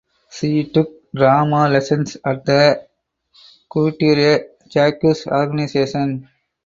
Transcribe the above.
She took drama lessons at the Couturier Jacques Organization.